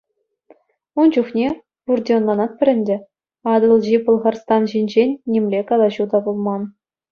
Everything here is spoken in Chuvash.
Ун чухне, пурте ӑнланатпӑр ӗнтӗ, Атӑлҫи Пӑлхарстан ҫинчен нимле калаҫу та пулман.